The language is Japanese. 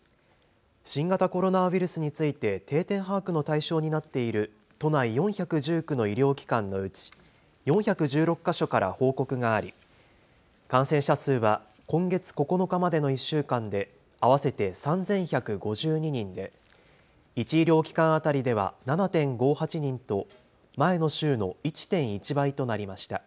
新型コロナウイルスについて定点把握の対象になっている都内４１９の医療機関のうち４１６か所から報告があり感染者数は今月９日までの１週間で合わせて３１５２人で１医療機関当たりでは７．５８人と前の週の１．１倍となりました。